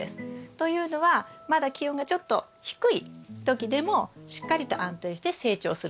というのはまだ気温がちょっと低い時でもしっかりと安定して成長するものだからですね。